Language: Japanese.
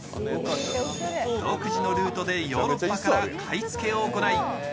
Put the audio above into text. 独自のルートでヨーロッパから買い付けを行い